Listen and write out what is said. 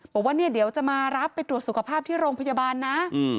บอกว่าเนี่ยเดี๋ยวจะมารับไปตรวจสุขภาพที่โรงพยาบาลนะ